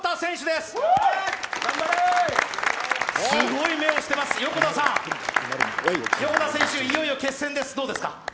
すごい目をしています、横田選手、いよいよ決選です、どうですか？